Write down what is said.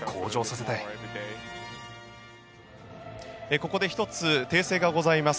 ここで１つ訂正がございます。